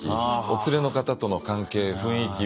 お連れの方との関係雰囲気。